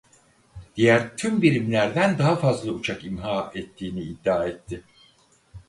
Diğer tüm birimlerden daha fazla uçak imha ettiğini iddia etti.